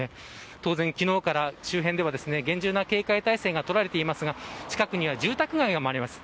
当然、昨日から周辺では厳重な警戒態勢が取られていますが近くには住宅街もあります。